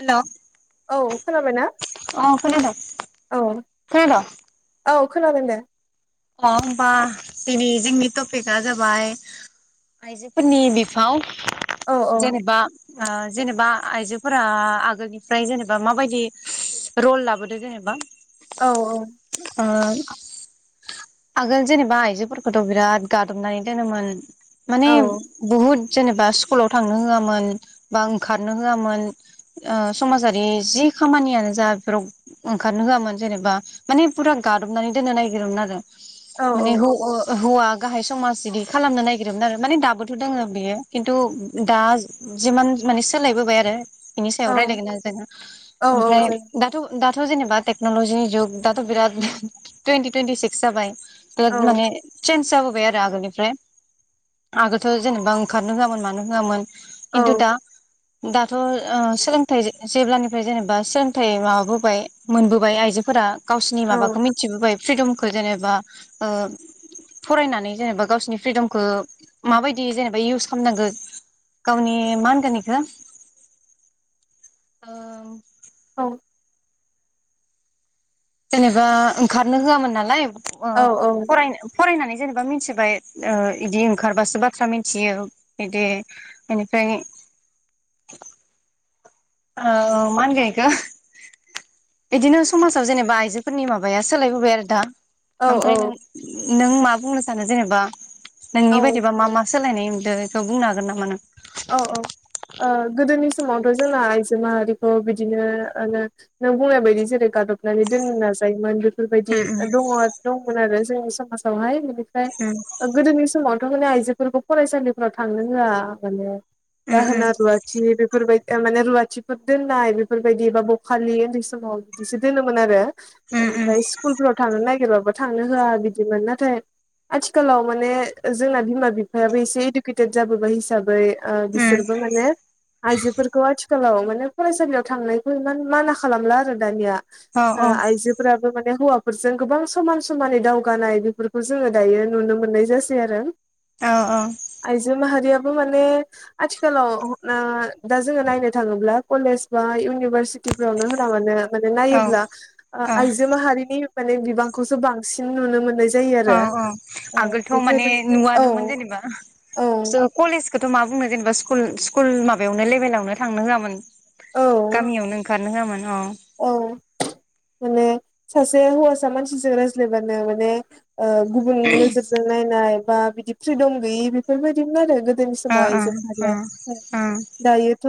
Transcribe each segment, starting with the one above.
हेल' अ औ खोनाबायना खैनादों? औ खोनादों? औ खोनादों दे । अ होमबा दिनै जोंनि टपिकआ जाबाय आइजोफोरनि बिफाव औ जेनेबा ओ जेनेबा आइजोफोरा आगोलनिफ्राय जेनेबा माबायदि रल लाबोदो जेनेबा औ ओ [inaudible] आगोल जेनेबा आइजोफोरखौथ' बिराद गादबनानै दोनोमोन । माने औ बहुत जेनेबा स्कुलाव थांनो होआमोन बा ओंखारनो होआमोन ओ समाजारि जि खामानियानो जा बेफोराव ओंखारनो होआमोन जेनेबा माने फुरा गादबनानै दोननो नागिरोमोन आरो औ माने हौ ओ हौवा गाहाय समाज इदि खालामनो नागिरोमोन आरो माने दाबोथ' दङो बियो खिन्थु दा जिमान माने सोलायबोबाय आरो बेनि सायाव औ रायलायगोन आरो जोंना औ औ ओमफ्राय जागोन दाथ' दा जेनबा टेक्नल'जि जुग दाथ' बिराद तुइनति तुइनति सिक्स जाबाय औ माने [inaudible] जाबोबाय आरो आगोलनिफ्राय आगोलथ' जेनेबा ओंखारनो होआमोन मानो होआमोन औ खिथु दा दाथ' सोलोंथाइ जेब्लानिफ्राय जेनेबा सोलोंथाइ माबाबोबाय मोनबोबाय आइजोफोरा गावसोरनि औ माबाखौ मिथिबोबाय। सिगम जेनेबा ओ फरायनानै जेनेबा गावसरनि फ्रिदमखौ माबायदि जेनेबा इउस खालामनांगौ गावनि मा होनगोनइखौ औ जेनेबा ओंखारनो होआमोन नालाय। औ फरायनो फरायनानै जेनेबा मिथिबाय बिदि ओंखारबासो बाथ्रा मिथियो बिदि बेनिफ्राय। औ मा होनगोन बेखौ बिदिनो समाजाव जेनेबा आइजोफोरनि माबाया सोलायबोबाय आरो दा। ओमफ्राय नों नों मा बुंनो सानो जेनेबा औ नोंनि बायदिबा मा मा सोलायनाय नुदों बेखौ बुंनो हागोन नामा नों? औ औ ओं गोदोनि समावथ' जोंना आइजो माहारिखौ बिदिनो ओं नों बुंनाय बायदि जेरै गादबनानै दोननो नाजायोमोन। बेफोरबायदि उम दङ दंमोन आरो। जोंनि समाजावहाय उम गोदोनि समाव माने आइजोफोरखौ फरायसालिफोराव थांनो होआ माने उम दाहोना रुवाथि बेफोरबाय माने रुवाथिफोर दोननाय बेफोरबायदि एबा बखालि उन्दै समाव बिदिसो दोनोमोन आरो। उम उम बेनिफ्राय स्कुलफोराव थांनो नागिरबाबो थांनो होआ बिदिमोन नाथाय आथिखालाव माने जोंना बिमा बिफायाबो एसे इदुकेटेद जाबोबाय हिसाबै बै ओं उम बिसोरबो माने आइजोफोरखौ आथिखालाव माने फरायसालियाव थांनायखौ इमान माना खालामला आरो दानिया। औ औ ओं आइजोफोराबो माने हौवा बेफोरजों गोबां समान समानै दावगानाय बेफोरखौ जोङो दायो नुनो मोननाय जासै आरो। औ आइजो माहारिया बो माने आथिखालाव ओं दा जोङो नायनो थाङोब्ला कलेज बा इउनिभारसिटिफोरावनो होना मानो माने औ नायोब्ला औ आ-आइजो माहारिनि माने बिबांखौसो बांसिन नुनो मोननाय जायो औ आरो औ ओ आगोलथ' माने बेखायनो औ नुवानोमोन जेनेबा औ स' कलेज खोथ' मा बुंनो जेनेबा स्कुल-स्कुल माबायावनो लेभेलावनो थांनो होआमोन। औ गामियावनो ओंखार नो होआमोन। औ [inaudible] औ माने सासे हौवासा मानसिजों रायज्लायबानो माने ओं गुबुन नोजोरजों नायनाय बा बिदि फ्रिद'म गैयै बेफोरबायदिमोन आरो गो गोदोनि ओ समाव ओ आइजो ओ माहारिया ओ दायोथ'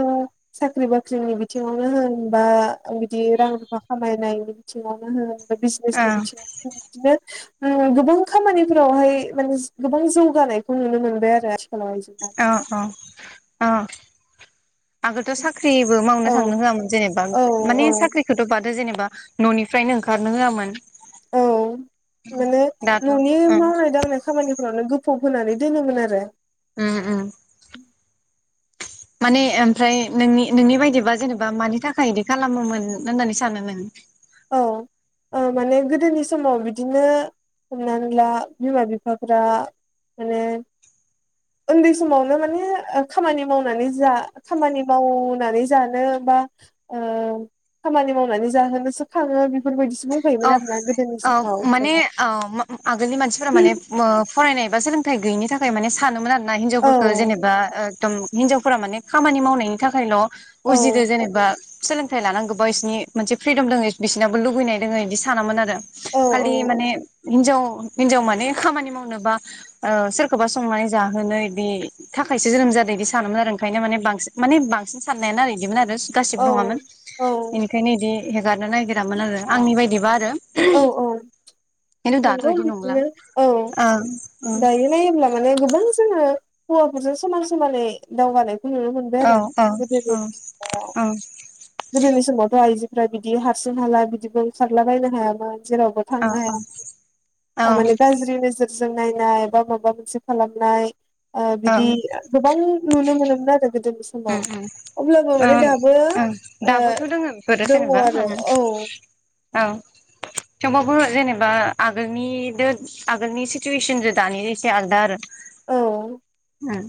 साख्रि बाख्रिनि बिथिङावनो होन बा बिदि रां रुफा खामायनायनि बिथिङावनो होन बिजनेसनि बिथिङावनो होन बिदिनो ओ गोबां खामानिफोरावहाय माने गोबां जौगानायखौ नुनो मोनबाय आरो आथिखालाव आइजो अ अ अ आगोलथ' साख्रिबो मावनो औ थांनो होयामोन जेनेबा औ औ माने साख्रिखोथ' बाद दा जेनेबा न'निफ्रायनो ओंखारनो होयामोन औ माने दाथ' न'नि ओं मावनाय दांनाय खामानिख फोरावनो गोफ'ब होनानै दोनोमोन आरो उम उम माने ओमफ्राय नोंनि-नोंनि बायदिबा जेनेबा मानि थाखाय इदि खालामोमोन होननानै सानो नों? औ ओ माने गोदोनि समाव बिदिनो हमनानै ला बिमा बिफाफ्रा माने ओन्दै समावनो माने ओ खामानि मावनानै जा खामानि मावनानै जानो बा ओ खामानि मावनानै जाहोनो सो खाङो बेफोरबायदिस औ औ माने औ आगोलनि मानसिफोरा माने औ फरायनाय बा सोलोंथाइ गैयैनि थाखाय माने सानोमोन आर ना औ हिनजावफोरखो जेनेबा एकदम हिनजावफोरा माने खामानि मावनायनि थाखायल' औ उजिदो जेनेबा सोलोंथाइ लानांगोबा इसिनि मोनसे फ्रिदम दोङो बिसोनाबो लुुबैनाय दोङो इदि सानामोन आरो। औ खालि माने हिनजाव हिनजाव माने खामानि मावनोबा आ सोरखौबा संनानै जाहैनो इदि थाखायसो जोनोम जादों इदि सानोमोन आरो ओंखायनो माने बांसिन माने बांसिन साननायानो आरो इदिमोन आरो [unintelligible] गासिबो औ नङामोन औ बेनिखायनो इदि गानो नायगिरामोन आरो बे बायदिबा आरो औ औ खिन्थु दाथ' नंगौ बिदि नंला बिदिनो औ ओं ओं दायो नायोब्ला माने गोबां। खौ जोङो हौवाफोरजों समान समानै दावगानाय। खौ नुनो मोनबाय औ आरो औ औ गोदोनि मिथिनायाव। औ गोदोनि समावथ' आइजोफ्रा बिदि हारसिं हाला बिदिबो ओंखारला बायनो हायामोन। जेरावबो थांनो हाया औ माने गाज्रि नोजोर। जों नायनाय बा माबा मोनसे खालामनाय। ओ औ बिदि गोबां नुनो मोनो। हमना हादों। गोदोनि समाव उम उम अब्लाबो माने ओं दाबो। ओं ओ दाबोथ' दोङो बेफोरो दङ जेनेबा आरो उम औ औ। थेवबाबो जेनेबा आगोलनिदो आगोलनि सिटुवेसनजों दानि एसे आलदा आरो। औ। उम।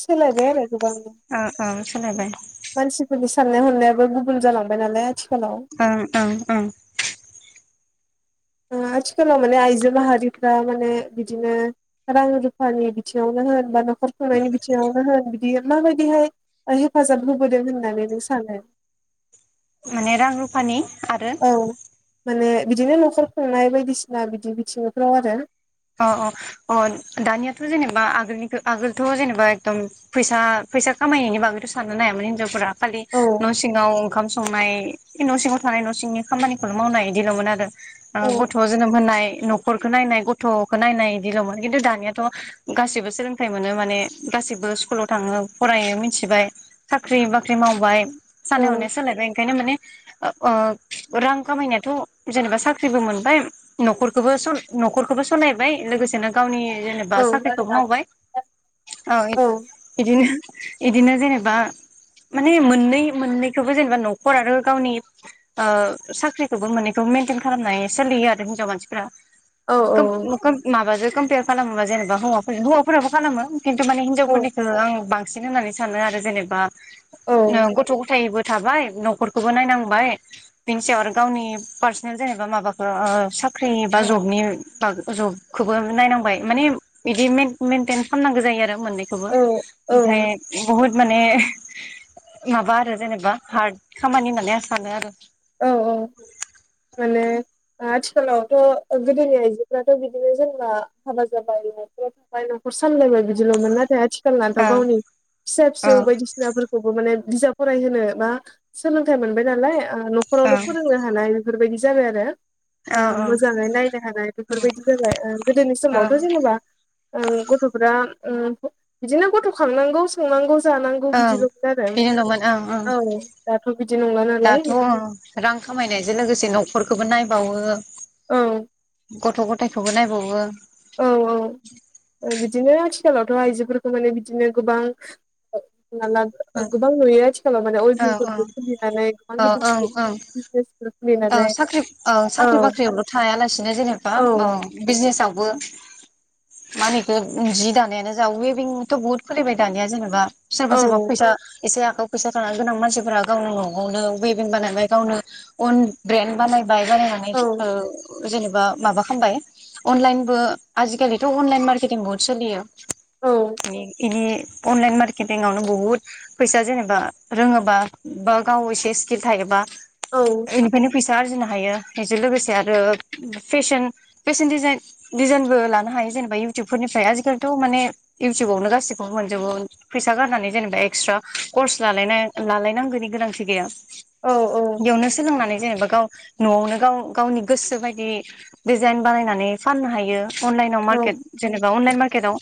सोलायबाय आरो गोबां सोलायबाय मानसिफोरनि सान साननाय हनायाबो गुबुन जालांबाय नालाय आथि ओं ओंओं। ओ आथिखालाव माने आइजो माहारिफ्रा माने बिदिनो रां रुफानि बिथिङावनो होन बा नखर खर खुंनायनि बिथिंवनो होन। बियो माबायदिहाय हेफाजाब होबोदों होननानै नों सानो? माने रां रुफानि आरो औ माने बिदिनो न'खर खुंनाय बायदिसिना बिदि बिथिंफ्राव आरो अ अ अ दानियाथ' जेनेबा आगोलनि आगोलथ' जेनेबा एकदम फैसा फैसा खामायनायनि बागैथ' साननो नायामोन हिनजावफोरा । खालि औ न' सिङाव ओंखाम सं माइ न' सिङाव थानाय न' सिंनि खामानिखौल' मावनाय इदिल'मोन आरो औ । गथ' जोनोम होनाय न'खरखो नायनाय गथ'खो नायनाय इदिल'मोन, ऐखिन्थु दानियाथ' गाैबो सोलोंथाइ मोनो माने गाैबो स्कुलाव थाङो फरायो मिथिबाय साख्रि बाख्रि मावबाय औ सान हननाय सोलायबाय इखायनो माने ओ रां खामायनायाथ' जेनेबा साख्रिबो मोनबाय न'खरखौबो न'खरखो बो सालायबाय लोगोसेनो गावनि जेनेबा औ साख्रिखौ मावबाय औ बिदिनो इदिनो जेनेबा माने मोननै मोननैखोबो जेनेबा न'खर आरो गावनि साख्रिखोबो मोननैखौ मेेनटेन खालामनानै सोलियो आरो हिनजाव मानसिफ्रा औ [unintelligible] माबाजो कम्पेयार खालामोबा जेनेबा हौाफोर हौवाफोराबो खालामो । किन्थु माने हिनजावफोरनिखो आं बांसि बांसिन होननानै सानो आरो जेनेबा गथ' गथायबो थाबाय न'खरखौबो नायनांबाय बिनिस सायाव आरो गावनि पार्सनेल जेनेबा माबाखौ साख्रि बा जबनि बा जबखौबो नायनांबाय माने बिदि मेन - मेनटेन खामनांगौ जायो आरो मोननैखौबो औ ओमफाय बहुद माने माबा आरो जेनेबा हार्द खामानि होननानै आं सानो आरो औ औ माने आथिखालावथ' गोदोनि आइजोफ्राथ' बिदिनो जोंनबा हाबा जाबाय न'खराव थाबाय न'खर सामलायबाय बिदिल'मोन नाथाय आथि खालनाथ'गावनि फिसा फिसौ ओं बायदिसिनाफोरखौबो माने बिजाब फरायहोनो बा सोलोंथाइ मोनबाय नालाय ओ नखरावनो फोरोंनो हानाय बेफोरबायदि जाबाय आरो ओ ओं ओं मोजाङै नायनो हानाय बेफोरबायदि जाबाय गोदोनि ओं समावथ' जेनेबा ओ गथ'फोरा ओ बिदिनो गथ' खांनांगौ संनांगौ जानांगौ ओं बिदिलमोन आरो बेनोल'मोन ओं ओं औ दाथ' बिदि नंला नालाय दाथ' बेनिखायनो रां खामायनायजों लोगोसे न'खरखौबो नायबावो औ गथ' गथायखौबो नायबाव गङो औ औ ओ बि दिनो आथिखालावथ' आइजोफोरखौ माने बिदिनो गोबां माला गोबां नुयो आथिखालाव माने ओं ओं अयभिंफोरखौ खुलिनानै गोबां औ गिदिर ओं गिदिर ओं बिजनेसफोर औ खुलिनानै साख्रि ओ औ साख्रि बाख्रियावल' थायालासिनो जेनेबा औ ओ बिजनेसाव बो मा होनोखो जि दानायानो जा वेबिंथ' बहुद खुलिबाय दानिया जेनेबा सोरबा औ सोरबा फैसा एसे आखाव फैसा था गोनां मानसिफोरा गावनो न'आवनो वेबिं बानायबाय गावनो अन ब्रेन बानाय बाय बानायनानै औ ओ जेनेबा माबा खामबाय अनलाइनबो आजिखालिथ' अनलाइन मार्केटिं बहुत सोलियो औ ने इदि अनलाइन मार्केटिंवनो बुहुत फैसा जेनेबा रोङोबा बा गाव एसे स्किल थायोबा औ एनिफायनो फैसा आरजिनो हायो बेजों लोगोसे आरो फेशन फेशन डिजाइनबो लानो हायो जेनेबा इउटुबफोरनिफ्राय आजिखालिथ' माने इउटुबावनो गासिखौबो मोनजोबो फैसा गारनानै जेनेबा एक्सट्रा कर्स लालायना लालायनांगोनि गोनांथि गैया औ औ। फांनानै जेनेबा गाव न'आवनो गाव-गावनि गोसो बायदि डिजाइन बानायनानै फाननो हायो। अनलाइनाव औ मार्केट जेनेबा अनलाइन मार्केटआव।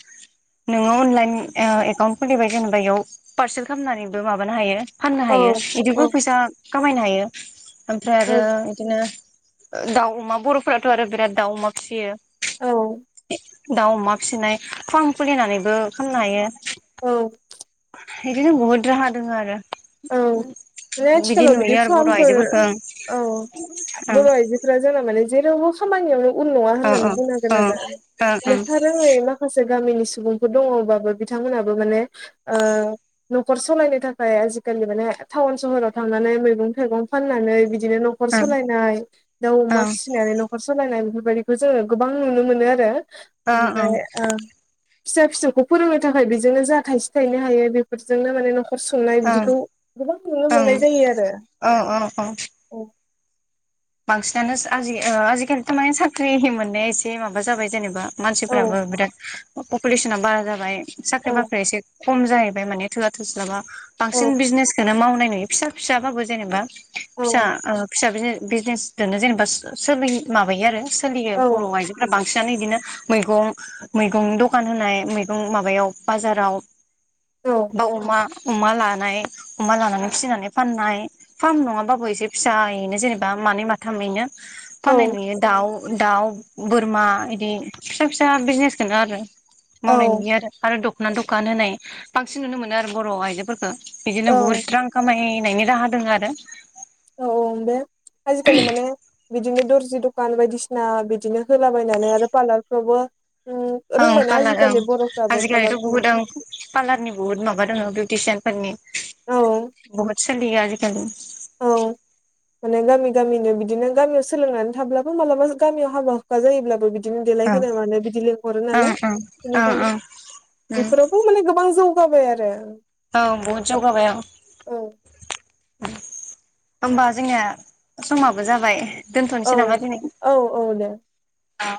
नोङो अनलाइन ओ एकाउन्ट खुलिबाय जेनेबा एयाव पार्सेल खालामनानैबो माबानो हायो। फाननो हायो इदिबो औ फैसा। खामायनो हायो। ओमफ्राय आरो इदिनो। दाउ अमा बर'फोराथ' आरो बिराद दाउ अमा फिसियो। औ [unintelligible] दाउ अमा फिसिनाय फार्म खुलिनानैबो खामनो हायो। औ। इदिनो बहुद राहा दोङो आरो। औ माने बिदि आथिखालाव नुयो आरो बर फार्मफोर आइजोफोरखौ औ बर' आइजोफोरा जोंना माने जेरावबो खामानियावनो उन नङा होननानै बुंनांगोन ओं ओं आरो औ ओं लेखा रोङै माखासे गामिनि सुबुंफोर दङबाबो बिथांमोनाबो माने ओ न'खर सलायनो थाखाय- माने टाउन सहराव थांनानै मैगं थाइगं फाननानै बिदि बिदिनो न'खर सलायनाय दाउ अमा ओं फिसिनानै न'खर सलायनाय बेफोर- बेबायदिखौ जोङो गोबां नुनो मोनो आरो बेनिफ्राय ओं ओ फिसा फिसौखौ फोरोंनो थाखाय बेजोंनो जा थाइसे थाइनै हायो बेफोरजोंनो माने नखर संनाय ओं बिदि बेखौ गोबां नुनो ओं मोननाय जायो आरो औ औ औ बांसिनानो आजि आजिखालिथ' माने साख्रि मोननाया एसे माबा जाबाय जेनेबा औ मानसिफ्राबो बिराद पपुलेसना बारा जाबाय साख्रि बाख्रिया एसे खम जाहैबाय माने थोआ थोस्लाबा बांसिन बिजनेसखौनो मावनाय फिसा फिसाबाबो जेनेबा फिसा फिसा बिनो बिजनेसजोंनो जेनेबा सोलि माबायो आरो सोलियो बर' आइजोफोरा बिसानो बिदिनो मैगं मैगं दखान होनाय मैगं माबायाव बाजाराव बा औ-औ-औ-औ-औ-औ-औ-औ-औ-औ-औ-औ-औ अमा अमा लानाय अमा लानानै फिसिनानै फाननाय फार्म नङाबाबो एसे फिसायैनो जेनेबा बा मानै माथामैनो फाननाय नुयो दाउ दाउ बोरमा बिदि फिसा फिसा बिजनेसखौनो आरो मावनाय नुयो आरो दख खना दखान होनाय बांसिन नुनो मोनो आरो बर' आइजोफोरखौ बिदिनो बहत रां खामा होननायनि राहा दङ आरो औ औ बे आजिखालि माने बिदिनो दर्जि दखान बायदिसिना बिदिनो होलाबायनानै आरो पार्लारफ्रावबो उम ओं रोंबायना पाल्लार आजिखालि ओं बर'फ्राबो आजिखालिथ' पार्लारखौ बुहुद ओं पाल्लारनि बुहुत माबा दङ बे टिउसनफोरनि बहद सलिया आजखाल औ माने गामि गामिनो बिदिनो गामियाव सोलोंनानै थाब्लाबो मालाबा गामियाव हाबा हुखा जायोब्लाबो बि दिनो देलाय ओं होनोनो मानो बिदि लिंहरो ओं नालाय ओं ओं बेनिखायनो ओं ओं बेफोरावबो माने गोबां जौ जाबाय आरो औ बुद ज'गाबाय होनबा जोंनिया समाबो जाबाय दोनथ'नोसै औ नामा दिनै? औ औ दे औ